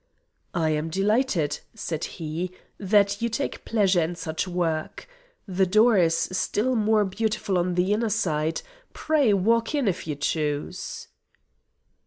"I am delighted," said he, "that you take pleasure in such work. The door is still more beautiful on the inner side, pray walk in if you choose."